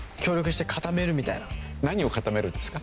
何を固めるんですか？